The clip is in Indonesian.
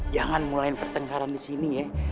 jangan mulai pertengkaran di sini ya